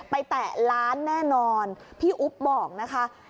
แตะล้านแน่นอนพี่อุ๊บบอกนะคะ